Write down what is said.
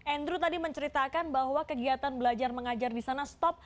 andrew tadi menceritakan bahwa kegiatan belajar mengajar di sana stop